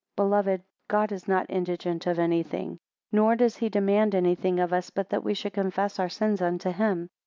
7 Beloved, God is not indigent of anything; nor does he demand anything of us, but that we should confess our sins unto him.